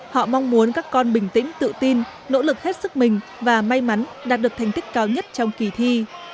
họ mong muốn các con bình tĩnh tự tin nỗ lực hết sức mình và may mắn đạt được thành tích cao nhất trong kỳ thi